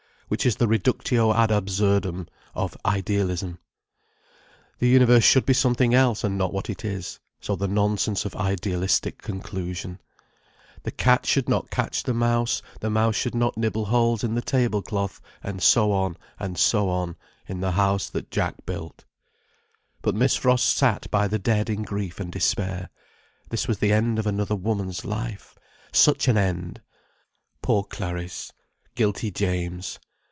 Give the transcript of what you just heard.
Which is the reductio ad absurdum of idealism. The universe should be something else, and not what it is: so the nonsense of idealistic conclusion. The cat should not catch the mouse, the mouse should not nibble holes in the table cloth, and so on and so on, in the House that Jack Built. But Miss Frost sat by the dead in grief and despair. This was the end of another woman's life: such an end! Poor Clariss: guilty James.